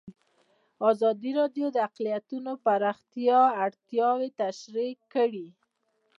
ازادي راډیو د اقلیتونه د پراختیا اړتیاوې تشریح کړي.